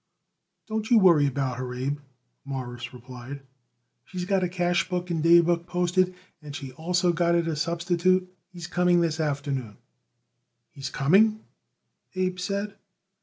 "Don't you worry about her, Abe," Morris replied. "She's got her cashbook and daybook posted and she also got it a substitute. He's coming this afternoon." "He's coming?" Abe said.